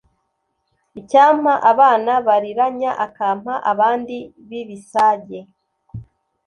Icyampa abana bariranya, akampa abandi b’ibisage,